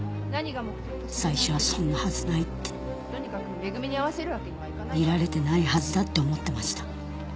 最初はそんなはずないって見られてないはずだって思ってました。